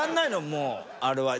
もうあれは。